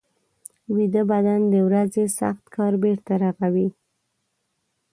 ویده بدن د ورځې سخت کار بېرته رغوي